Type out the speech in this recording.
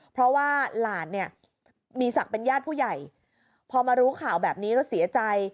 เพราะว่าหลานเนี่ยมีศักดิ์เป็นญาติผู้ใหญ่พอมารู้ข่าวแบบนี้ก็เสียใจ